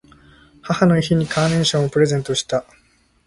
母の日にカーネーションをプレゼントした。